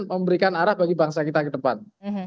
memberikan arah bagi bangsa kita ke depan